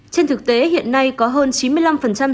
trên thực tế hiện nay có hơn chín doanh nghiệp đồng hành với bca